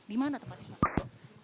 di mana teman teman